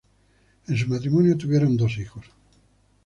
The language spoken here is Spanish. En su matrimonio tuvieron dos hijos...